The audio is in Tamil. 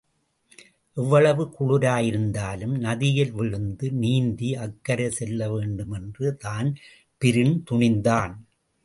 எவ்வளவு குளிராயிருந்தாலும் நதியில் விழுந்து நீந்தி அக்கரை செல்லவேண்டுமென்று தான்பிரின் துணிந்தான்.